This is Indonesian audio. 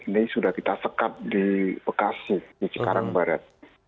ini sudah kita sekap di bekasi di cikarang barat